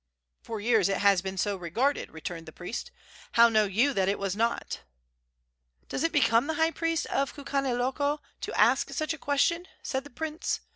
"For years it has been so regarded," returned the priest. "How know you that it was not?" "Does it become the high priest of Kukaniloko to ask such a question?" said the prince.